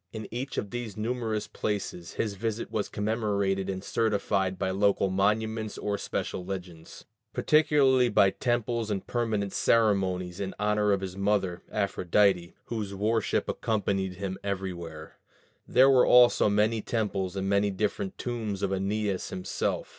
In each of these numerous places his visit was commemorated and certified by local monuments or special legends, particularly by temples and permanent ceremonies in honor of his mother Aphrodite, whose worship accompanied him everywhere: there were also many temples and many different tombs of Æneas himself.